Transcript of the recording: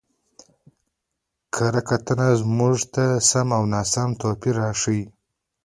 کره کتنه موږ ته د سم او ناسم توپير راښيي.